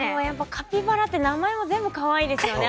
カピバラって名前も全部かわいいですよね。